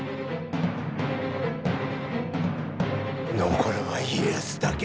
残るは家康だけ。